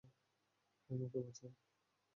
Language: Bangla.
ক্যাম, ওকে বাঁচাও!